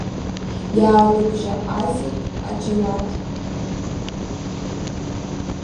Иаарыбжьаҟазеит аџьанаҭ.